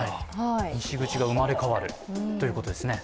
西口が生まれ変わるということですね。